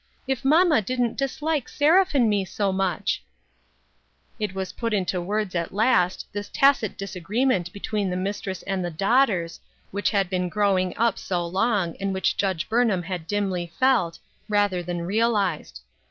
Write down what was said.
If mamma didn't dislike Seraph and me so much !" It was put into words at last, this tacit disa greement between the mistress and the daughters, which had been growing up so long and which Judge Burnham had dimly felt, rather than real ized.